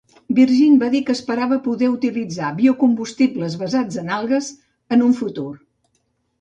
Virgin va dir que esperava poder utilitzar biocombustibles basats en algues en el futur.